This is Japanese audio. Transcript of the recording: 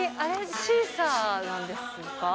シーサーなんですか？